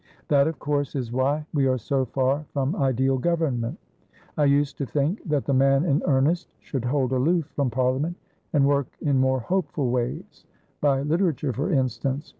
That, of course, is why we are so far from ideal government. I used to think that the man in earnest should hold aloof from Parliament, and work in more hopeful waysby literature, for instance.